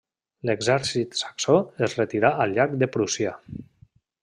L’exèrcit saxó es retirà al llarg de Prússia.